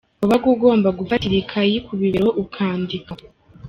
Wabaga ugomba gufatira ikaye ku bibero ukandika!”.